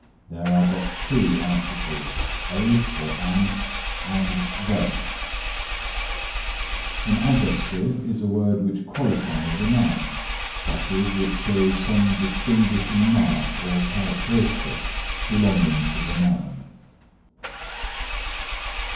There are but two articles, a or an and the. An Adjective is a word which qualifies a noun, that is, which shows some distinguishing mark or characteristic belonging to the noun.